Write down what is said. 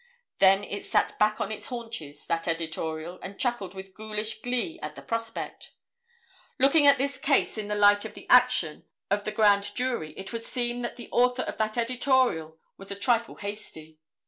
Then it sat back on its haunches, that editorial, and chuckled with goulish glee at the prospect. Looking at this case in the light of the action of the grand jury it would seem that the author of that editorial was a trifle hasty.